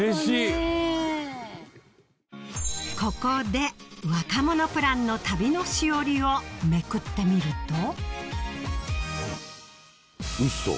ここで若者プランの旅のしおりをめくってみるとウソ？